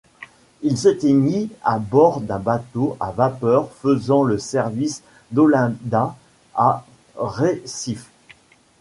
Il s’éteignit à bord d’un bateau à vapeur faisant le service d’Olinda à Recife.